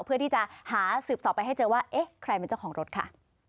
เพื่อที่จะหาสืบสอบไปให้เจอว่าเอ๊ะใครเป็นเจ้าของรถค่ะ